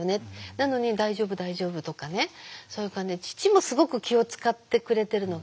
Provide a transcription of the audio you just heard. なのに「大丈夫大丈夫」とかねそういう感じで父もすごく気を遣ってくれてるのが分かる。